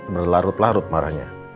berlarut larut marahnya